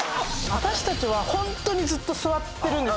⁉私たちはホントにずっと座ってるんです。